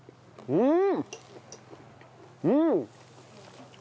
うん。